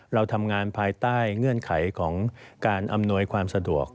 เราทำงานภายใต้เงื่อนไขของการอำนวยความสะดวก